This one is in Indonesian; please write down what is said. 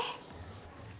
eh kenalin tante